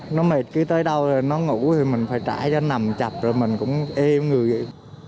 nó mệt cứ tới đâu nó ngủ thì mình phải trả cho nằm chập rồi mình cũng êm người vậy